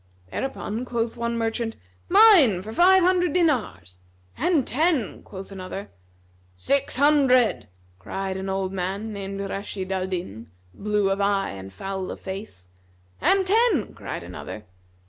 Thereupon quoth one merchant, "Mine for five hundred dinars;" "And ten," quoth another. "Six hundred," cried an old man named Rashнd al Din, blue of eye[FN#264] and foul of face. "And ten," cried another.